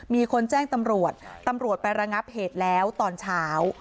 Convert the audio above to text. มีคนแจ้งตำรวจตำรวจไประงับเหตุแล้วตอนเช้า